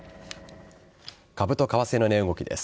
株と為替の値動きです。